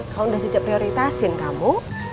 kalo udah si c prioritasin kamu